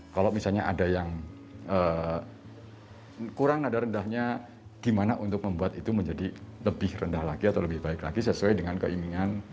kalau misalnya ada yang kurang nada rendahnya gimana untuk membuat itu menjadi lebih rendah lagi atau lebih baik lagi sesuai dengan keinginan